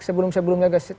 sebelum sebelumnya ke sini